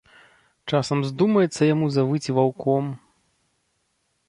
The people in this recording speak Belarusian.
Часам здумаецца яму завыць ваўком.